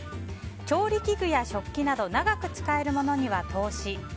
調理器具や食器など長く使えるものには投資。